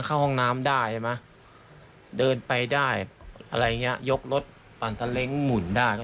เข้าห้องน้ำได้ใช่ไหมเดินไปได้อะไรอย่างเงี้ยยกรถปั่นตะเล้งหมุนได้